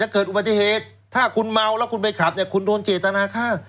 เกิดอุบัติเหตุถ้าคุณเมาแล้วคุณไปขับเนี่ยคุณโดนเจตนาฆ่า